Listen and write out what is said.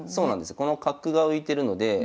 この角が浮いてるので。